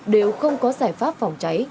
đều không có giải pháp phòng cháy